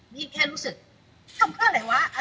นี่แค่รู้สึกทำเพื่ออะไรวะ